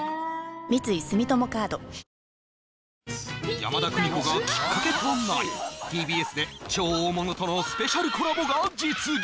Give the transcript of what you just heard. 山田邦子がきっかけとなりＴＢＳで超大物とのスペシャルコラボが実現